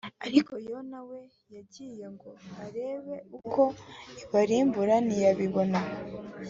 Ariko Yona we yagiye ngo arebe uko Ibarimbura ntiyabibona